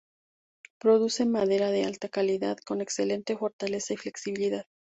Produce madera de alta calidad con excelente fortaleza y flexibilidad.